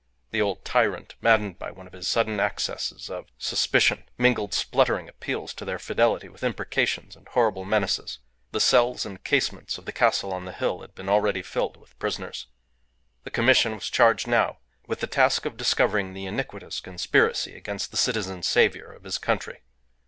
The old tyrant, maddened by one of his sudden accesses of suspicion, mingled spluttering appeals to their fidelity with imprecations and horrible menaces. The cells and casements of the castle on the hill had been already filled with prisoners. The commission was charged now with the task of discovering the iniquitous conspiracy against the Citizen Saviour of his country.